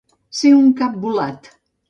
Ser un cap volat.